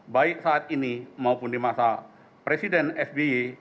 baik saat ini maupun di masa presiden sby